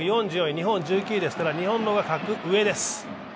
日本１９位ですから、日本の方が格上です。